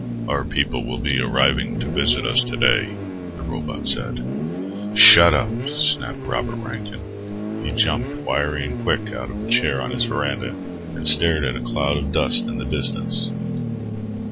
"Our people will be arriving to visit us today," the robot said. "Shut up!" snapped Rod Rankin. He jumped, wiry and quick, out of the chair on his verandah and stared at a cloud of dust in the distance.